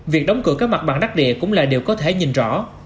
việc đóng cửa các mặt bằng đắc địa cũng là điều có thể nhìn rõ